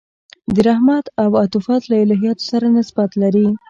د رحمت او عطوفت له الهیاتو سره نسبت لري.